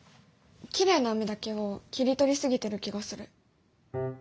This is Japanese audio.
きれいな海だけを切り取り過ぎてる気がする。